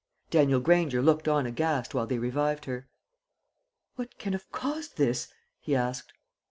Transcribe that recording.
Daniel Granger looked on aghast while they revived her. "What can have caused this?" he asked.